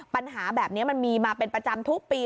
ปัญหาแบบนี้มันมีมาเป็นประจำทุกปี